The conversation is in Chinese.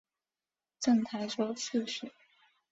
赠台州刺史。